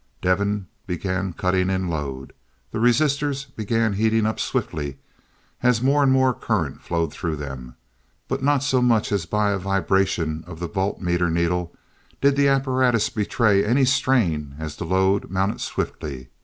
Devin began cutting in load. The resistors began heating up swiftly as more and more current flowed through them. By not so much as by a vibration of the voltmeter needle, did the apparatus betray any strain as the load mounted swiftly.